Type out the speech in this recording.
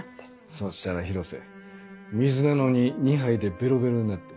そしたら広瀬水なのに２杯でベロベロになって。